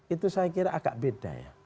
itu saya kira agak beda ya